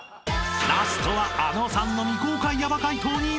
［ラストはあのさんの未公開ヤバ解答に挑む！］